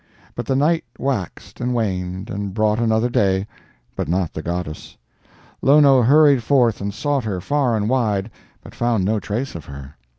But the night waxed and waned and brought another day, but not the goddess. Lono hurried forth and sought her far and wide, but found no trace of her.